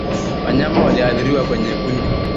Wanyama wanaoathiriwa kwenye kundi